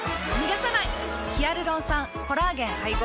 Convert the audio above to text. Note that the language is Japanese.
ヒアルロン酸・コラーゲン配合。